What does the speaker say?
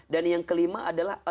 dan yang kelima adalah